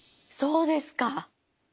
そうですか！